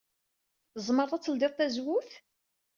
Tzemreḍ ad tledyeḍ tazewwut?